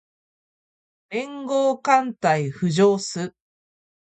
連合艦隊浮上す